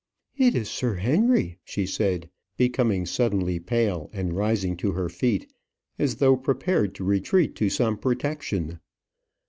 "It is Sir Henry," she said, becoming suddenly pale, and rising to her feet, as though prepared to retreat to some protection.